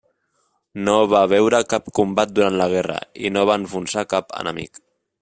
No va veure cap combat durant la guerra, i no va enfonsar cap enemic.